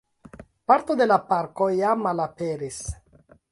Parto de la parko jam malaperis.